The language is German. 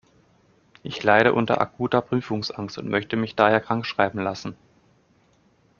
Ich leide unter akuter Prüfungsangst und möchte mich daher krankschreiben lassen.